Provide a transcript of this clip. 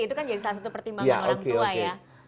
itu kan jadi salah satu pertimbangan orang tua ya